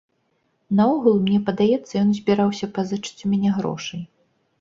Наогул, мне падаецца, ён збіраўся пазычыць у мяне грошай.